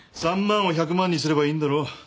３万を１００万にすればいいんだろ。